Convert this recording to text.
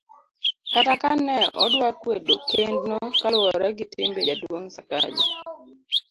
kata kane odwa kwedo kend no kaluwore gi timbe jaduong' Sakaja